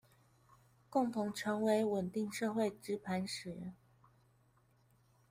共同成為穩定社會之磐石